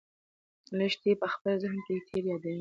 لښتې په خپل ذهن کې تېر یادونه لرل.